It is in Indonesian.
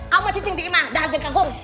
kamu mau cincin bima dan dengkagung